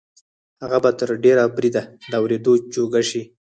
هغه به تر ډېره بریده د اورېدو جوګه شي